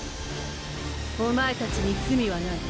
お前たちに罪はない。